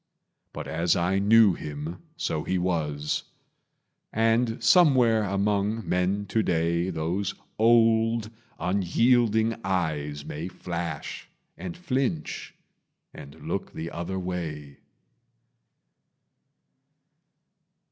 But as I knew him, so he was; And somewhere among men to day Those old, unyielding eyes may flash, And flinch and look the other way.